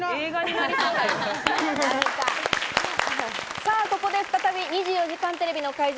さぁ、ここで再び『２４時間テレビ』の会場